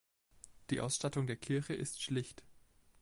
Die Ausstattung der Kirche ist schlicht.